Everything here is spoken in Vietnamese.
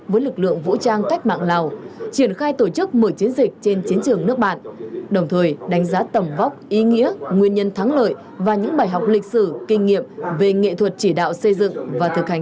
và thực hành tác chiến chiến dịch trên cơ sở đó vận dụng vào xây dựng thế chẳng quốc phòng toàn dân